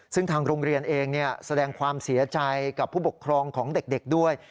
ซึ่งทางโรงเรียนเองแสดงความเสียใจกับผู้ปกครองของเด็กด้วย